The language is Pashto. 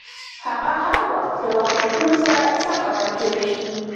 هغه هر وخت له واقعیتونو سره سم عمل کاوه.